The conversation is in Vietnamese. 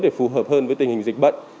để phù hợp hơn với tình hình dịch bệnh